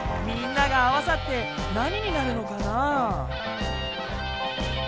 みんなが合わさって何になるのかな？